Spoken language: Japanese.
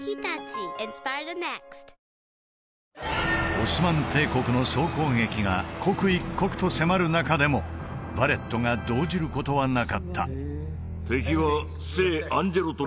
オスマン帝国の総攻撃が刻一刻と迫る中でもヴァレットが動じることはなかったえっ